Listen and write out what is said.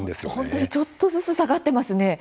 本当にちょっとずつ下がってますね。